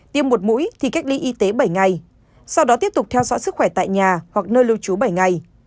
tiêm một mũi thì cách ly y tế bảy ngày sau đó tiếp tục theo dõi sức khỏe tại nhà hoặc nơi lưu trú bảy ngày